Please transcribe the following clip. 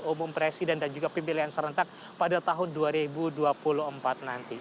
umum presiden dan juga pemilihan serentak pada tahun dua ribu dua puluh empat nanti